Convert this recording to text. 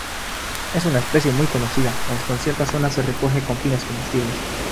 Es una especie muy conocida en ciertas zonas; se recoge con fines comestibles.